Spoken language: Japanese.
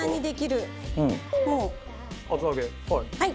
はい。